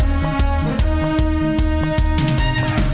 โปรดติดตามตอนต่อไป